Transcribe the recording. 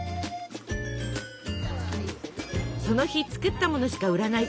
その日作ったものしか売らない。